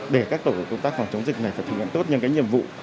để các tổ công tác phòng chống dịch này phải thực hiện tốt những cái nhiệm vụ